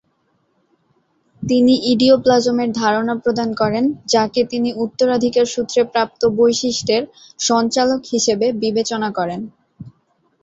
তিনি "ইডিওপ্লাজম"-এর ধারণা প্রদান করেন, যাকে তিনি উত্তরাধিকারসূত্রে প্রাপ্ত বৈশিষ্ট্যের সঞ্চালক হিসেবে বিবেচনা করেন।